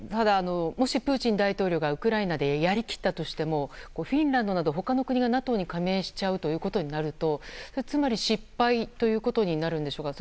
もしプーチン大統領がウクライナでやりきったとしてもフィンランドなど他の国がＮＡＴＯに加盟するとなるとつまり失敗ということになるんでしょうか。